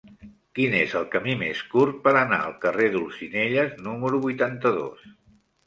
Quin és el camí més curt per anar al carrer d'Olzinelles número vuitanta-dos?